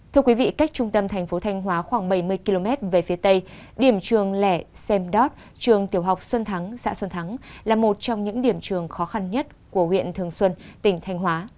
thưa quý vị cách trung tâm thành phố thanh hóa khoảng bảy mươi km về phía tây điểm trường lẻ xem đót trường tiểu học xuân thắng xã xuân thắng là một trong những điểm trường khó khăn nhất của huyện thường xuân tỉnh thanh hóa